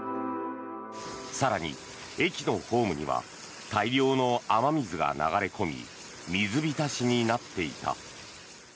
更に、駅のホームには大量の雨水が流れ込み水浸しになっていた。